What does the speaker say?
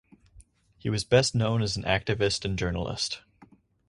He was best known as an activist and journalist.